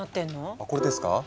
あこれですか？